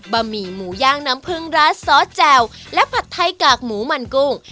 หมี่หมูย่างน้ำผึ้งราดซอสแจ่วและผัดไทยกากหมูมันกุ้ง